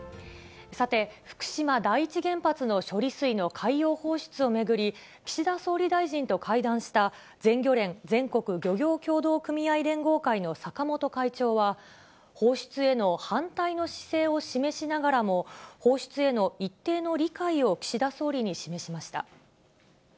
さて、福島第一原発の処理水の海洋放出を巡り、岸田総理大臣と会談した、全漁連・全国漁業協同組合連合会の坂本会長は、放出への反対の姿勢を示しながらも、放出への一定の理解を岸田総理に示しました。